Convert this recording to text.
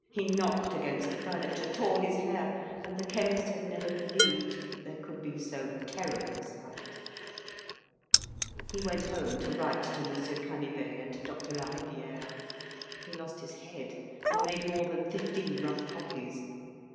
He knocked against the furniture, tore his hair, and the chemist had never believed that there could be so terrible a sight. He went home to write to Monsieur Canivet and to Doctor Lariviere. He lost his head, and made more than fifteen rough copies.